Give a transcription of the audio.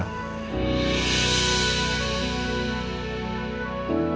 bapak bisa tanya sesuatu sama kamu